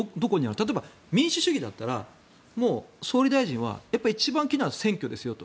例えば民主主義だったらもう総理大臣は一番気になるのは選挙ですよと。